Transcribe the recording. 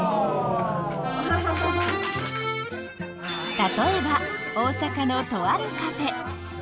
例えば大阪のとあるカフェ。